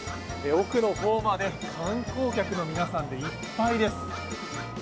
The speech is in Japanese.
奥の方まで観光客の皆さんでいっぱいです。